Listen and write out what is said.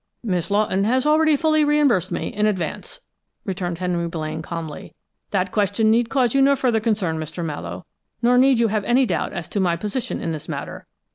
"Miss Lawton has already fully reimbursed me in advance," returned Henry Blaine calmly. "That question need cause you no further concern, Mr. Mallowe, nor need you have any doubt as to my position in this matter.